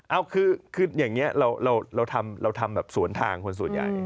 เอาคืออย่างนี้เราทำแบบสวนทางคนส่วนใหญ่